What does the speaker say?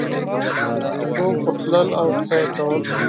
څوک ورتلل او څه یې کول